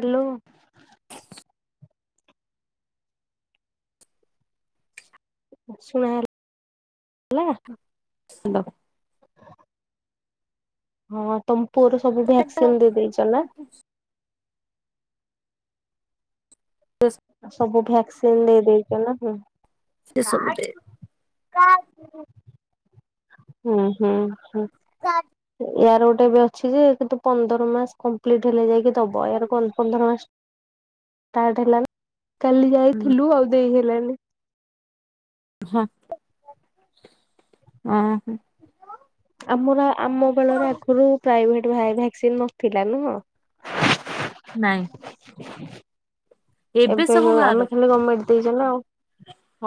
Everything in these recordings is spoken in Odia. ହାଲୋ। ଶୁଣା ଗଲା? ହାଲୋ। [inaudible] ହଁ, ତମ ପୁଅର ସବୁ ହଁ। ଭ୍ୟାକ୍ସିନ ଦେଇଦେଇଚନା? [unintelligible] ସବୁ ଭ୍ୟାକ୍ସିନ ଦେଇଦେଇଚନା [unintelligible] ସେ ସବୁ ଦେ [inaudible] ହୁଁ- ହୁଁ। [inaudible] ୟାର ଗୋଟେ ଏବେ ଅଛିଯେ କିନ୍ତୁ, ପନ୍ଦର ମାସ୍ କମ୍ପ୍ଲିଟ ହେଲେ ଯାଇକି ଦବ ୟାର କଁ ପନ୍ଦର ମାସ ଷ୍ଟାର୍ଟ ହେଲାନି କାଲି ଯାଇଥିଲୁ ଆଉ ଦେଇ ହେଲାନି। ଅଁ ହଁ। ଆମର ଆମ ବେଳରେ ଆଗରୁ ପ୍ରାଇଭେଟ୍ ଭା ଭ୍ୟାକ୍ସିନ ନଥିଲା ନୁହଁ। [inaudible] ନାଇଁ। [inaudible] ସବୁ ଏବେ ବାହାରୁ ଆମେ ଖାଲି ଗମେଣ୍ଟେ ଦେଇଚନ୍ତି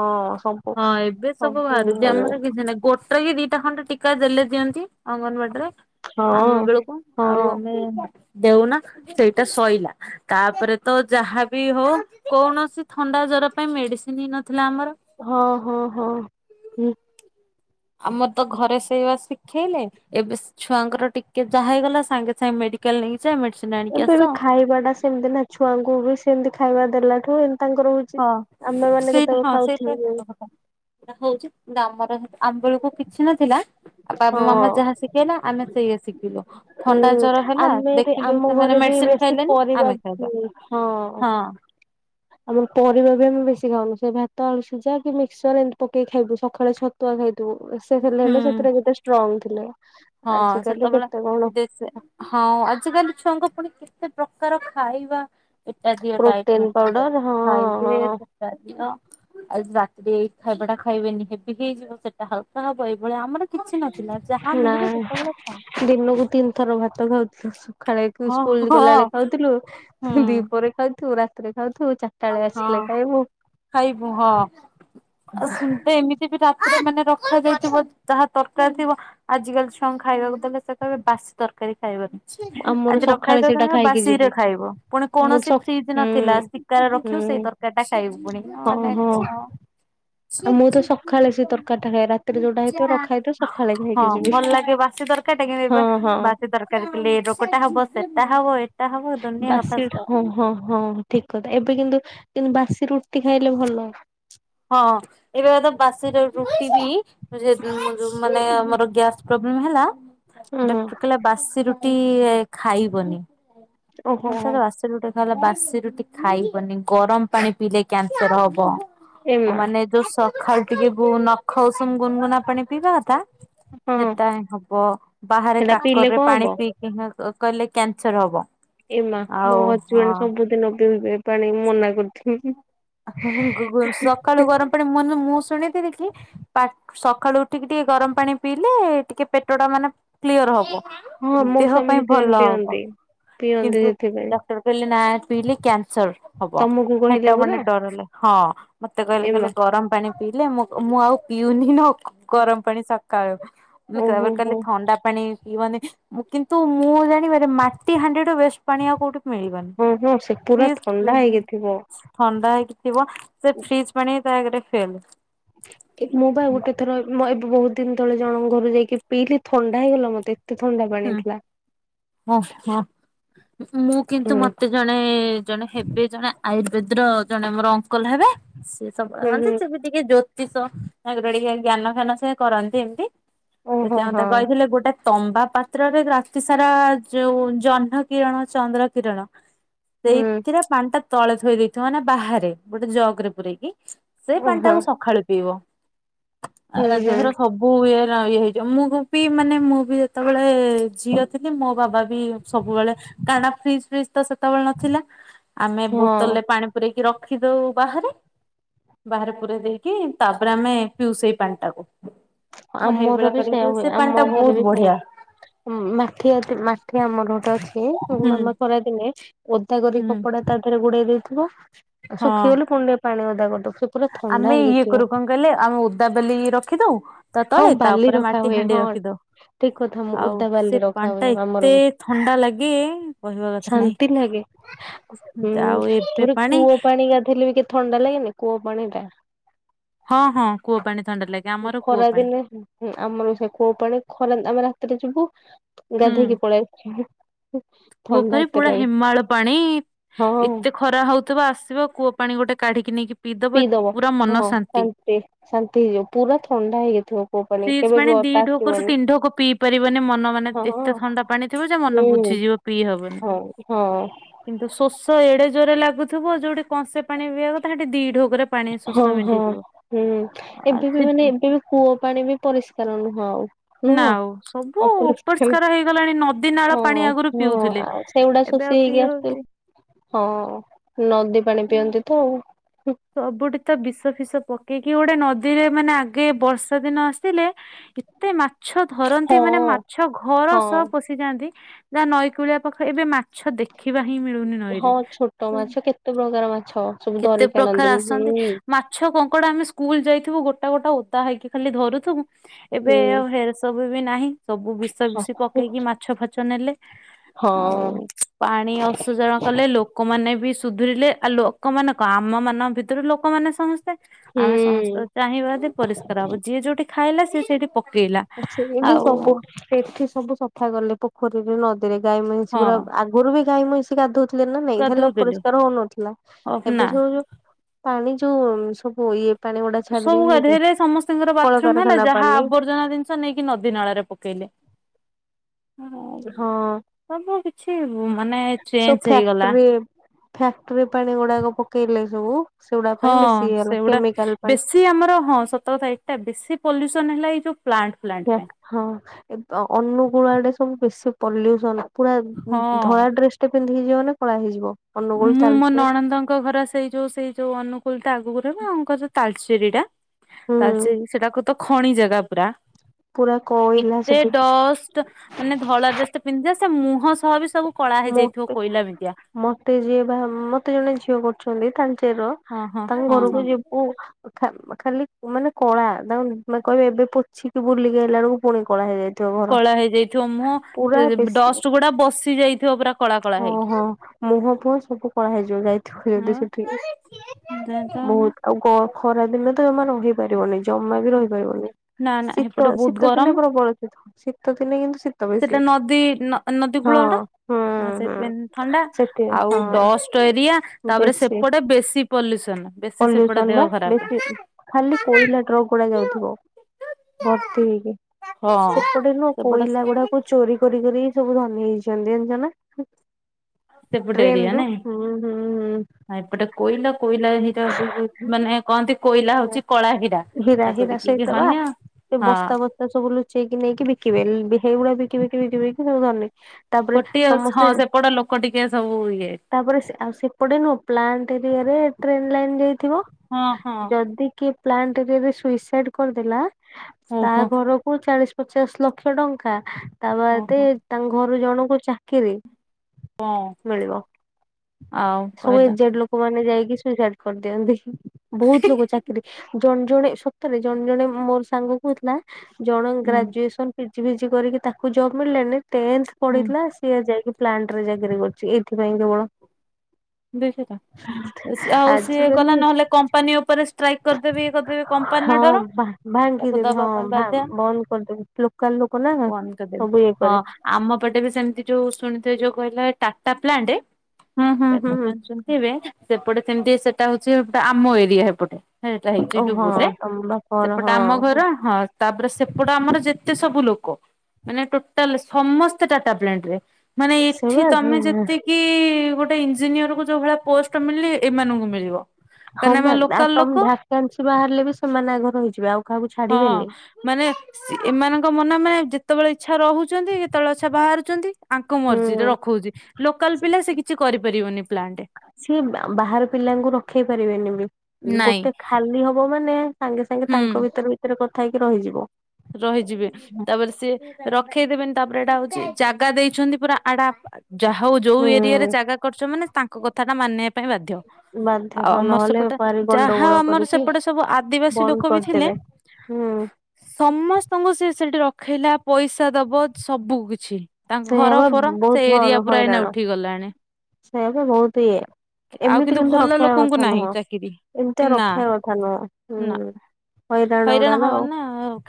ହଁ ସ ହଁ, ଏବେ ସବୁ ବାହାରୁଚି ଆମର କିଛି ନାହିଁ ଗୋଟେ କି ଦିଟା ଖଣ୍ଡେ ଟିକା ଦେଲେ ଦିଅନ୍ତି। ଅଙ୍ଗନବାଡିରେ ଆମ ହଁ ବେଳକୁ ଆଉ ହଁ ଆମେ ଦେଉନା ସେଇଟା ଶୋଇଲା। ତାପରେତ ଯାହାବି ହଉ, କୌଣସି ଥଣ୍ଡା ଜର ପାଇଁ ମେଡ଼ିସିନ୍ ନଥିଲା ଆମର। ହଁ- ହଁ -ହଁ -ହଁ। ଆମରତ ଘରେ ସେଇବା ଶିଖେଇଲେ ଏବେ ଛୁଆଙ୍କର ଟିକେ ଯାହା ହେଇଗଲା ସାଙ୍ଗେ ସାଙ୍ଗେ ମେଡିକାଲ୍ ନେଇଯା ମେଡ଼ି ଏବେବି ଖାଇବାଟା ସେମିତିନା ଛୁଆଙ୍କୁବି ସେମିତି ଖାଇବା ଦେଲାଠୁ ଏମିତି ତାଙ୍କର ହଁ, ଆମେ ମାନେ ସେଇଟା କେତେବେଳେ ହଁ ସେଇଟା ଖାଉଥିଲୁ ସତ କଥା ସେଟା ହୋଉଚି କିନ୍ତୁ ଆମର ହେ ଆମ ବେଳକୁ କିଛି ନଥିଲା ଆଁ ବାବା ହଁ ମାମା ଯାହା ଶିଖେଇଲା ଆମେ ସେଇଆ ଶିଖିଲୁ ଥଣ୍ଡା ହୁଁ ଜର ହେଲା ଦେଖିଲୁ ସେମାନେ ମେଡିସିନ୍ ସେପରିବା ହଁ। ଆମର ପରିବାବି ଆମେ ବେଶି ଖାଉନୁ ସେ ଭାତ, ଆଳୁ ସିଜା, କି ମିକ୍ସଚର ଏମିତି ପକେଇି ଖାଇବୁ ସକାଳେ ଛତୁ ତୁଆ ଖାଇଥିବୁ [unintelligible] ହେଲେ ହୁଁ ସେଥିରେ କେତେ ଷ୍ଟ୍ରଙ୍ଗ ଥିଲେ ଆଜିିକାଲି କେତେ କଣ ସେ ହଁ ଆଜିକାଲି ଛୁଆଙ୍କ ପୁଣି କେତେ ପ୍ରକାର ଖାଇବା ଏଟା ଦିଅ ପ୍ରୋଟିନ [unintelligible] ପାଉଡର ହଁ ଖାଇଥିବେ ସେଟା ଦିଅ। ଆଜି ରାତିରେ ଏଇ ଖାଇବାଟା ଖାଇବେନି ହେବି ହେଇଯିବ ସେଟା ହାଲକା ହବ ଏଇଭଳି ଆମର କିଛି ନଥିଲା ଯାହା ହଁ ନା ମିଳିବ ସେତେବେଳେ ଖାଁଉ ଦିନକୁ ତିନି ଥର ଭାତ ଖାଉଥିଲି, ସଖାଳେ ହଁ ସ୍କୁଲ୍ ହଁ ଗଲାବେଳେ ଖାଉଥିଲୁ, ଫୁଣି ହୁଁ। ଦିପହରେ ଖାଉଥୁବୁ, ରାତିରେ ଖାଉଥୁବୁ, ଚା ହଁ ଖାଇବୁ ହଁ ଆଉ ସୁଟେ ଏମିତି [inaudible] ବି ରାତିରେ ମାନେ ରଖାଯାଇଥିବ ଯାହା ତରକାରୀ ଥିବ ଆଜିକାଲି ଛୁଆଙ୍କୁ ଖାଇବାକୁ ଦେଲେ, ସେ କହିବେ ବାସି ତରକାରୀ ଖାଇବନି ଆମର ଆଜି ସକାଳେ ରଖାଇଥା ସେଇଟା ତମେ ଖାଇକି ବାସିରେ ଯିବୁ ଖାଇବ ପୁଣି ମୁଁ ସ କୌଣସି ଫ୍ରିଜ୍ ହୁଁ ନଥିଲା ସି ରଖିବୁ ସେଇ ହୁଁ ତରକାରୀଟା ଖାଇବୁ ପୁଣି ହଁ ମାନେ ହଁ କଁ [inaudible] ଆଉ ମୁଁ ତ ସକାଳେ ସେ ତରକାରୀ ଟା ଖାଏ ରାତିରେ ଯୋଉଟା ହେଇଥିବ ରଖା ହେଇଥିବ ସକାଳେ ଖାଇକି ହଁ ଯିବି। ଭଲ ଲାଗେ ବାସି ତରକ ହଁ ହଁ [unintelligible] ବାସି ତରକାରୀ ଖାଇଲେ ରୋଗଟା ହବ, ସେଟା ହବ, ଏ ବାସି ରୁ ହଁ ହଁ ହଁ ଠିକ୍ କଥା ଏବେ କିନ୍ତୁ କିନ୍ତୁ ବାସି ରୁଟି ଖାଇଲେ ଭଲ। ହଁ ଏବେତ ବାସିରେ ରୁଟିବି ମଝିରେ ଯୋଉ ଯୋଉ ମାନେ ଆମର ଗ୍ୟାସ୍ ପ୍ରୋବ୍ଲେମ ହେଲା ହଁ ଡ଼କ୍ଟର କହିଲା ବାସି ରୁଟି ଖାଇବନି ଓହୋ ହୋ [unintelligible] ସେଟି ଗୋଟେ କହିଲା, ବାସି ରୁଟି ଖାଇବନି। ଗରମ ପାଣି ପିଇଲେ କ୍ୟାନସର ହବ। ଆଉ ଏମା ମାନେ ଯୋଉ ସଖାଳୁ ଟିକେ ଗୁ ନଖ ଉଷୁମ ଗୁନ ଗୁନା ପାଣି ପିଇବା କଥା ହଁ ସେଟା ହିଁ ହବ। ବାହାରେ ସେଇଟା ପିଇଲେ କାକରରେ କଣ ହବ ପାଣି ପିଇ ହଁ, ହଁ କହିଲେ କ୍ୟାନସର ହବ। ଏ ମା ମୋ ଆଉ ହଜବେଣ୍ଡ ସବୁଦିନ ପିଉଥିବେ ପାଣି ମନା କରୁଥିମି ହିଁହିଁ - [unintelligible] ସକାଳୁ ଗରମ ପାଣି ମାନେ ମୁଁ ଶୁଣିଥିଲି କି ପାକ ସକାଳୁ ଉଠିକି ଟିକେ ଗରମ ପାଣି ପିଇଲେ, ଟିକେ ପେଟ ଟା ମାନେ କ୍ଲିଅର ହଁ ହବ। ମୋ ଦେହ ସ୍ୱାମୀ ପାଇଁ ସେଥିପାଇଁ ଭଲ ପିଅନ୍ତି ହବ। ପିଅନ୍ତି କିନ୍ତୁ ସେଥିପାଇଁ ଡକ୍ଟର କହିଲେ ନା ଏ ପିଇଲେ କ୍ୟାନସର ହବ। ତମକୁ କହିଲେ ହେଟା ପୁରା ମାନେ ଡରେଇଲେ ହଁ, ମତେ କହିଲେ ଏମା କହିଲେ ଗରମ ପାଣି ପିଇଲେ ମୁଁ, ମୁଁ ଆଉ ପିଉନି ନ ଗରମ ପାଣି ସକାଳୁ। ମାନେ କ ଓହୋ ଏବେ ହୋ କଇଲେ ଥଣ୍ଡା ପାଣି ପିଇବନି କିନ୍ତୁ ମୁଁ ଜାଣିବାରେ ମାଟି ହାଣ୍ଡି ଟା ବେସ ପାଣି ଆଉ କୋଉଠି ମିଳିବନି। ହଁ ହଁ ସେ ପୁରା ଫ୍ରିଜ ଥଣ୍ଡା ହେଇକିଥିବ। ଥଣ୍ଡା ହେଇକି ଥିବ, ସେ ଫ୍ରିଜ ପାଣି ବି ତା ଆଗରେ ଫେଲେ। ଏଇ ମୁବା ଗୋଟେ ଥର ଏବ ମ ଏବ ଏବେ ବହୁତ ଦିନ ତଳେ, ଜଣଙ୍କ ଘରୁ ଯାଇକି ପିଇଲି, ଥଣ୍ଡା ହେଇଗଲା ମତେ। ଏତେ ଥଣ୍ଡା ପାଣିଥିଲା। ଓହୋ। ମୁଁ ହୁଁ କିନ୍ତୁ ମତେ ଜଣେ ଜଣେ ହେବେ ଜଣେ ଆୟୁର୍ବେଦ ର ଜଣେ ମୋର ଅଙ୍କଲ ହେବେ, ସେ ସବୁବେଳେ ହୁଁ ଆନ୍ତି। ହୁଁ ସେ ବି ଟିକେ ଜ୍ୟୋତିଷ ତାଙ୍କର ଟିକେ ଜ୍ଞାନ ଫ୍ୟାନ ସେ କରନ୍ତି ଏମିତି। ସେତ ଓହୋ ମତେ ହଁ କହିଥିଲେ ଗୋଟେ ତମ୍ବା ପା ତ୍ରରେ ରାତି ସାରା ଯୋଉ ଜହ୍ନ କିରଣ, ଚନ୍ଦ୍ର କିରଣ ହୁଁ ସେଇଥିରେ ପାଣି ଟା ତଳେ ଥୋଇ ଦେଇଥିବ ମାନା ବାହାରେ ଗୋଟେ ଜଗ ରେ ପୂରେଇକି। ସେଇ ପାଣି ଓହୋ ଟାକୁ ସଖାଳୁ ପିଇବ। ଆ ହୁଁ ହୁଁ ଦେହର ସବୁ ଫୁଇଏର ଇଏ ହେଇଯିବ ମୁଁ ବି ମାନେ ମୁଁ ବି ଯେତେବେଳେ- [unintelligible] ଏ ଝିଅ ଥିଲି, ମୋ ବାବା ବି ସବୁବେଳେ କାହିଁକି ନା ଫ୍ରିଜ ଫ୍ରିଜ ତ ସେତେବେଳେ ନଥିଲା। ଆମେ ହଁ ବୋତଲରେ ପାଣି ପରେଇକି ରଖିଦଉ ବାହାରେ। ବାହାରେ ପୁରେଇ ଦେଇକି ତାପରେ ଆମେ ପିଉ ସେଇ ପାଣି ଟାକୁ। ମୁଁ ଆମର ହେଇଭଳିଆ ବି କରିକି ସେଇୟା ପିଉଚି ହୁଏ ସେ ଆମ ପାଣି ଟା ଘରେ ବି ବହୁତ ସେୟା। ବଢିଆ। ମାଠିଆ ଟେ ମାଠିଆ ଆମର ଗୋଟେ ଅ ଛି ହୁଁ ମାମା ଖରାଦିନେ ଓଦା କରି ହୁଁ କପଡା ତା ଦେହରେ ଗୋଡେଇ ଦେଇଥିବ। [unintelligible] ଅ ହଁ ଶୁଖିଗଲେ ଫୁଣି ନେଇକି ପାଣି ରେ ଓଦା କରିଦବ। ସୁ ଆମେ ଇଏ କରୁ, କଣ କହିଲେ ଆମେ ଓଦାବେଲିକି ରଖିଦଉ ତା ହଁ, ତଳେ ତା ବାଲି ଉପରେ ରଖା ମାଟି ହୁଏ। ହାଣ୍ଡି ହଁ। ରଖିଦଉ ଠିକ୍ କଥା ମୁଁ ଆଉ ଓଦା ସେ ବାଲି ରଖା ପାଣି ଟା ହୁଏ ଆମର ଏତେ ଥଣ୍ଡା ଲାଗେ କହିବା କଥା ନାହିଁ ଶାନ୍ତି, ନୁହେଁ, କି? ହୁଁ, ଆଉ ଏବେ ତାପରେ କୂଅ ପାଣି ଗାଧେଇଲେ ବି ଥଣ୍ଡା ଲାଗେନି, କୂଅ ପାଣି ଟା। ହଁ, ହଁ, କୂଅ ପାଣି ଥଣ୍ଡା ଲାଗେ। ଆମର କୂଅ ପାଣି ଖରାଦିନେ ହୁଁ ଆମର ସେ କୂଅ ପାଣି ଖରା ଆମେ ରାତିରେ ଯିବୁ ହୁଁ ଗାଧେଇକି ପଳେଇଆଇଚୁ। କୂଅ ପାଣି ପୁରା ହେମାଳ ପାଣି। ହଁ ଏତେ ଖ ଖରା ହଉଥିବ ଆସିବ କୂଅ ପାଣି ଗୋଟେ କାଢ଼ିକି ନେଇକି ପିଇଦବ, ଏତ ପୁରା ମନ ଶାନ୍ତି। ହେ, ଶାନ୍ତି ହେଇଯିବ ପୁରା ଥଣ୍ଡା ହେଇଯାଇଥିବ। ଫ୍ରିଜ୍ ପାଣି ଦି ଢୋକରୁୁ ତିନି ଢୋକ ପିଇ ପାରିବନି। ମନ ମାନେ ହଁ ଏତେ ଥଣ୍ଡା ପାଣି ଥିବ ଯେ ମନ ବୁଝିଯିବ। ପିଇ ହବନି। ହଉ, ହଁ। କିନ୍ତୁ ଶୋଷ ଏଡେ ଜୋରେ ଲାଗୁଥିବ ଯୋଉଠି କଂସେ ପାଣି ପିଇଆ କଥା ସେଠି ଦି ଢୋକରେ ପାଣି ଶୋଷ ହଁ, ହଁ, ମେଣ୍ଟିଯିବ। ହୁଁ ଆ ଏବେ ବି ସେ ମାନେ ଏବେ ବି କୂଅ ପାଣି ବି ପରିଷ୍କାର ନୁହଁ ଆଉ। ନୁହଁ [unintelligible] ସବୁ ଅପରିଷ୍କାର ହେଇଗଲାଣି ନ ହଁ, ହଁ। ସେଇଗୁଡା ଏବେ ଶୋଷି ଆଉ ପିଇ ହେଇକି ହଉଛି ଆସୁଥିବ। ହଁ, ନଦୀ ପାଣି ନା। ପିଅନ୍ତି ତ। ସବୁଠି ତ ବିଷ ଫିଷ ପକେଇକି, କି ଗୋଟେ ନଦୀରେ ମାନେ ଆଗେ ବର୍ଷା ଦିନ ଆସିଲେ ଏତେ ମାଛ ଧରନ୍ତି, ହଁ ମାନେ ମାଛ ଘର ହଁ। ସହ ପସ୍ ଯାନ୍ତି। ଯାହା ନଈକୂଳିଆ ପାଖ ଏବେ ମାଛ ଦେଖିବା ହିଁ ମିଳୁନି। ହଁ, ନଈରେ। ଛୋଟ ମାଛ କେତେ ପ୍ରକାର ମାଛ ସବୁ କେତେ ଧରିକି ପ୍ରକାର ଆଣନ୍ତି। ଆସନ୍ତି [unintelligible] ମାଛ, କଙ୍କଡା ଆମେ ସ୍କୁଲ ଯାଇଥିବୁ ଗୋଟା ଗୋଟା ଓଦା ହେଇକି ଖାଲି ଧରୁଥିବୁ। ଏବେ ହୁଁ। ଆଉ ହେ ସବୁ ବି ନାହିଁ। ସବୁ ବିଷ ବି ହଁ ବିଶି ହୁଁ। ପକେଇକି ମାଛ ଫାଚ ନେଲେ। ଆଉ ପାଣି ଅସୋଚନ କଲେ ଲୋକମାନେ ବି ସୁଧୁରିଲେ। ଆ ଲୋ ଲୋକମାନେ କଣ ଆମମାନଙ୍କ ଭିତରୁ ଲୋକମାନେ ସମସ୍ ଆମେ ସମସ୍ତେ ଚାହିଁବା ଯଦି ପରିଷ୍କାର ହବ। ଯିଏ ଯୋଉଠି ଖାଇଲା ସିଏ ସେଇଠି ପ ଆଛା। ଇନ୍ତି ସବୁ ସେଠି ସବୁ ସଫା କଲେ ପୋଖରୀରେ, ନଦୀରେ। ଗାଈ, ମଇଁଷି ହଁ ଗୁରା ଆଗୁରୁ ବି ଗାଈ ମଇଁଷି ଗାଧଉଥିଲେ ନା ନାଇଁ, ହେଲେ ଗାଧଉଥିଲେ ଅପରିଷ୍କାର ହଉନଥିଲା। ନା ଏବେ ଯୋଉ ଯୋଉ ପାଣି ଯୋଉ ସବୁ ଇଏ ପାଣି ଗୁଡା ସବୁ ଛାଡିଲେନି କି ଗାଧେଇଲେ ସମସ୍ତୀଙ୍କର ବାଥରୁମ୍ ହେଲା କଳକାରଖାନା ଯାହା ପାଣି ଆବର୍ଜନା ଜିନିଷ ନେଇକି ନଦୀ ନାଳ ରେ ପକେଇଲେ। ହଁ। ସବୁ କିଛି ମାନେ ସବୁ ଚେଞ୍ଚ୍ ହେଇଗଲା। ଫ୍ୟାକ୍ଟ୍ରି ଫ୍ୟାକ୍ଟ୍ରି ପାଣି ଗୁଡାକ ପକେଇଲେ ସବୁ, ସେଗୁଡା ପାଇଁ ବେଶୀ ଇଏ ହେଲା। କେମିକାଲ ପାଣି। ଟି ଆମର ହଁ, ସତକଥା ଏଇଟା ବେଶୀ ପଲ୍ୟୁସନ୍ ହେଲା ଏଇ ଯୋଉ ପ୍ଲାଣ୍ଟ। ଫ୍ଲାଣ୍ଟ ହଁ, ପାଇଁ ଅନୁଗୁଳ ଆଡେ ସବୁ ବେଶୀ ପଲ୍ୟୁସନ। ପୁରା ହଁ ଧଳା ଡ୍ରେସ୍ ଟେ ପିନ୍ଧିକି ଯିବ ମାନେ କଳା ହେଇଯିବ। ଅନୁଗୁଳ ମୁଁ ମୋ ତାଲଚେର ନଣନ୍ଦଙ୍କ ଘର ସେଇ ଯୋଉ ସେଇ ଯୋଉ ଅନୁଗୁଳ ଟା ଆଗକୁ ରହିବ ଆଙ୍କର ଯୋଉ ତାଲଚେରୀ ଟା ହୁଁ ତାଲଚେରୀ ସେଟାକୁ ତ ଖଣି ଜାଗା ପୁରା। ପୁରା କୋଇଲା ଏତେ ସେଠି ଡଷ୍ଟ ମାନେ ଧଳା ଡ୍ରେସ୍ ଟେ ପିନ୍ଧିଲେ ସେ ମୁହଁ ସହ ବି ସବୁ କଳା ହେଇଯାଇଥିବ ମୋତେ କୋଇଲା ମିତିଆ ମୋତେ ଯିଏ ବା ମତେ ଜଣେ ଝିଅ କରିଛନ୍ତି ତାଳଚେର ର ହଁ ହଁ ତାଙ୍କ ହଁ ହଁ ଘରକୁ ଯିବୁ ଖା ଖାଲି ମାନେ କଳା। ତାଙ୍କ ମା କହିବେ ଏବେ ପୋଛିିକି ବୁଲିକି ଆଇଲା ବେଳକୁ ଫୁଣି କଳା ହେଇଯାଇ କଳା ହେଇଯାଇଥିବ। ମୁଁ ବେଶୀ ଡଷ୍ଟ ଗୁଡା ବସି ଯାଇଥିବ ପୁରା। କଳା କଳା ହଁ ହେଇକି। ହଁ। ମୁହଁ ଫୁହଁ ସବୁ କଳା ହେଇଯିବ ଯାଇଥିବ ଯଦି ହଁ ସେଠିକି। ବହୁତ୍। ଆଉ ଗ ଖରା ଦିନେ ତ ଜମା ରହିପାରିବନି, ଜମା ବି ରହିପାରିବନି। ନା ନା ଶୀତ ହେପଟେ ବହୁତ ଶୀତ ଗରମ ଦିନେ ପ୍ରବଳ ଶୀତ। ଶୀତ ଦିନେ କିନ୍ତୁ ଶୀ ସେଟା ନଦୀ ନ ନଦୀ କୂଳଟା। ହୁଁ ଆ ହୁଁ ସେଇଥିପାଇଁ ଥଣ୍ଡା। ସେଠି ଆଉ ହଁ ଡଷ୍ଟ ଏରିଆ। ତାପରେ ବେଶୀ ସେପଟେ ବେଶୀ ପଲ୍ୟୁସନ ବେଶୀ ସେପଟେ ପଲ୍ୟୁସନ ବା ଦେହ ଖରାପ। ବେଶୀ। ଖାଲି କୋଇଲା ଟ୍ରକ୍ ଗୁଡା ଯାଉଥିବ। ଭର୍ତ୍ତି ହେଇକି। ହଁ ସେପଟେ ନୁହଁ, ସେପଟେ କୋଇଲା ଗୁଡାକ ଚୋରି କରି କରି ସବୁ ଧନୀ ହେଇ [unintelligible] ସେପଟେ ଟ୍ରେନ୍ ରୁ ହୁଁ, ହୁଁ, ହୁଁ। ହଁ ଏପଟେ କୋଇଲା କୋଇଲା [unintelligible] ମାନେ କହନ୍ତି କୋଇଲା ହୁଁ ହଉଚି କଳା ହିରା, ହୀରା ତାକୁ ବିକିକି [unintelligible] ହଁ। ତା ସବୁ ଲୁଚେଇକି ନେଇକି ବିକିବେ। ହେଇଗୁଡା ବିକି ବିକି ବିକି ବିକି ସବୁ ଧନୀ। ଗୋଟିଏ ହଁ ସେପଟ ଲୋକ ଟିକେ ସବୁ ଇଏ। ତାପରେ ସେ ଆଉ ସେପଟେ ନୁହଁ ପ୍ଲାଣ୍ଟ ଏରିଆରେ ଟ୍ରେନ ଲାଇନ ଯାଇଥିବ। ହଁ ହଁ ଯଦି କିଏ ପ୍ଲାଣ୍ଟ ଏରିଆରେ ସୁଇସାଇଡ୍ କରିଦେଲା ତା ଓହୋ ଘରକୁ ଚାଳିଶ୍ ପଚାଶ ଲକ୍ଷ ଟଙ୍କା, ତା ଓ ବାଦେ ହୋ ତାଙ୍କ ଘରୁ ଜଣଙ୍କୁ ଚାକିରି। ହଁ ମିଳିବ ଆଉ ସବୁ କହିଲା ଏକ୍ ଜାଟ୍ ଲୋକ ଲୋକ ମାନେ ଯାଇକି ସୁଇସାଇଡ୍‌ କରିଦିଅନ୍ତି ବହୁତ୍ ଲୋକ ଚାକିରି ଜଣେ ଜଣେ ସତରେ ଜଣେ ଜଣେ ମୋର ସାଙ୍ଗ କହୁଥିଲା ଜଣେ ହୁଁ ଗ୍ରାଜୁଏସନ ପିଜି ଫିଜି କରିକି ତାକୁ ଜବ୍ ମିଳିଲାନି ଟେନ୍ଥ ହୁଁ ପଢିଥିଲା ସେ ଯାଇକି ପ୍ଲାଣ୍ଟ ରେ ଚାକିରି କରୁଛି ଏଇଥିପାଇଁ କେବଳ ଦେଖିଲ ଆଉ ସିଏ କଲା ଆଜିକାଲି ନହେଲେ କମ୍ପାନୀ ଉପରେ ଷ୍ଟ୍ରାଇକ୍ କରିଦେବି ଇଏ କରିଦେବି ହଁ ଭା ଭାଙ୍ଗିଦେବେ ହଁ ପାଇଁ ଭା ବାଧ୍ୟ ବନ୍ଦ କରିଦେବେ ଲୋକାଲ ଲୋ କୁନାନା ବନ୍ଦ କରିଦେବି। ସବୁ ଇଏ ହଁ କରେ। ଆମ ପଟେ ବି ସେମିତି ଯୋଉ ଶୁଣିଥିବେ ଯୋଉ କହିଲେ ଟାଟା ପ୍ଲାଣ୍ଟେ ହୁଁ ହୁଁ ହୁଁ ଟାଟା ହୁଁ ପ୍ଲାଣ୍ଟ ଶୁଣିଥିବେ ସେପଟେ ସେମିତି ସେଟା ହଉଛି ପ୍ରା ଆମ ଏରିଆ ହେପଟେ। ହେଟା ହେଇଛି ଓ ହଁ ଡୁବୁ ରେ ତମ ବାପଘର ସେପଟେ ଆମ ହଁ। ଘର ହଁ। ତାପରେ ସେପଟ ଆମର ଯେତେ ସବୁ ଲୋକ ମାନେ ଟୋଟାଲ ସମସ୍ତେ ଟାଟା ପ୍ଲାଣ୍ଟରେ। ମାନେ ସେଇ ଏଠି ବା ତମେ ଯେତି କି ଗୋଟେ ଇଞ୍ଜିନିୟର କୁ ଯୋଉ ଭଳିଆ ପୋଷ୍ଟ ମିଳି ଏମାନଙ୍କୁ ମିଳିବ। ହଁ କାରଣ ଆମେ ବା ଆଉ ଲୋକାଲ ଲୋକ ତମେ ଭାକାସ୍ନି ବାହାରିଲେ ବି ସେମାନେ ଆଗ ରହିଯିବେ ଆଉ କାହାକୁ ହଁ ଛାଡିବେନି। ମାନେ ସେ ଏମାନଙ୍କ ମନ ମାନେ ଯେତେବେଳେ ଇଚ୍ଛା ରହୁଛନ୍ତି ଯେତେବେଳେ ଇଛା ବାହାରୁଛନ୍ତି। ଆଙ୍କ ମର୍ଜିରେ ହୁଁ ରଖଉଛି ଲୋକାଲ ପିଲା ସେ କିଛି କରିପାରିବନି ପ୍ଲାଣ୍ଟେ। ସିଏ ବା ବାହାର ପିଲାଙ୍କୁ ରଖେଇ ପାରିବେନି ବି ନାଇଁ ଗୋଟେ ଖାଲି ହବ ମାନେ ସାଙ୍ଗେ ସାଙ୍ଗେ ହୁଁ ତାଙ୍କ ଭିତରେ ଭିତରେ କଥା ହେଇକି ରହିଯିବ। ରହିଯିବେ ତାପରେ ସିଏ ରଖେଇଦେବେନି ତାପରେ ଏଟା ହଉଛି ଜାଗା ଦେଇଛନ୍ତି ପୁରା ଆଡା ଯାହା ହଉ ଯୋଉ ହୁଁ ଏରିଆରେ ଜାଗା କରିଛ ମାନେ ତାଙ୍କ କଥା ଟା ମାନିବା ପାଇଁ ବାଧ୍ୟ। ବାଧ୍ୟ ଆଉ ହଁ ଆମର ନହେଲେ ସେପଟେ ଭାରି ଯାହା ଗଣ୍ଡଗୋଳ ଆମର କରିକି ସେପଟେ ସବୁ ଆଦିବାସୀ ବନ୍ଦ ଲୋକ ବି ଥିଲେ କରିଦେବେ ହୁଁ। ସମସ୍ତଙ୍କୁ ସେ ସେଠି ରଖେଇଲା ପଇସା ଦବ ସବୁ କିଛି ତାଙ୍କ ସେଇଆ ଘର ବା ଫର ବହୁତ ସେ ଏରିଆ ପୁରା ଏଇନା ଉଠି ଗଲାଣି। ସେ ବି ବହୁତ୍ ଇଏ। ଆଉ ଏମିତି କିନ୍ତୁ ଭଲ ରଖିବା ଲୋକଙ୍କୁ କଥା ନାହିଁ ନୁହଁ ଚାକିରି କି ଏମିତିଆ ନା ରଖିବା କଥା ନୁହଁ ନା ହୁଁ। ହଇରାଣ ହଇରାଣଗୁଡା ନା ହବ ଆଉ।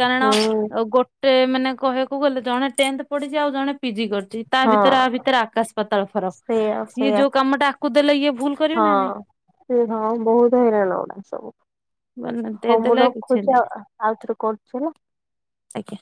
କାରଣ ହୁଁ। ଗୋଟେ ମାନେ କହିବାକୁ ଗଲେ ଜଣେ ଟେନ୍ଥ ପଢିଛି ଆଉ ଜଣେ ପିଜି କରିଛି। ତା ହଁ ଭିତରେ ଆ ଭିତରେ ଆକାଶ ପାତାଳ ଫରକ ସେଇଆ ସିଏ ସେଇଆ ଯୋଉ କାମ ଟା ଆକୁ ଦେଲେ ଇଏ ଭୁଲ କରିବେ ହଁ। ନା ନାଇଁ। ସେ ହଁ ବହୁତୁ ହଇରାଣଗୁଡା ସବୁ। ନାଇଁ ହଁ ମୁଁ ଦେଦେଲେ କିଛି ରଖୁଛି ନାହିଁ ଆଉ ଆଉଥରେ କଲ୍ କରିବା। ଆଜ୍ଞା।